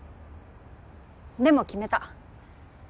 でも決めた。